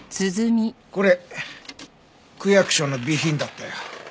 これ区役所の備品だったよ。